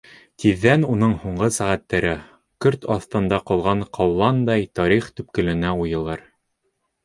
Тиҙҙән уның һуңғы сәғәттәре, көрт аҫтында ҡалған ҡауландай, тарих төпкөлөнә уйылыр.